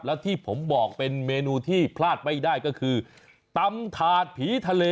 แล้วที่ผมบอกเป็นเมนูที่พลาดไม่ได้ก็คือตำถาดผีทะเล